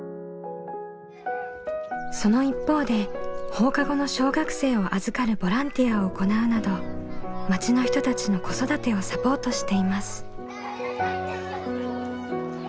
その一方で放課後の小学生を預かるボランティアを行うなど町の人たちの子育てをサポートしています。